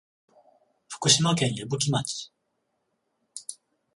福島県矢吹町